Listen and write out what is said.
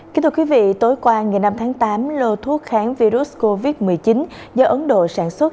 kính thưa quý vị tối qua ngày năm tháng tám lô thuốc kháng virus covid một mươi chín do ấn độ sản xuất